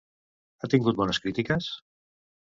Ha tingut bones crítiques?